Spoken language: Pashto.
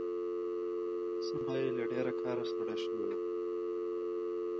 سړی له ډېر کاره ستړی شوی دی.